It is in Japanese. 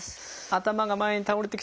頭が前に倒れて。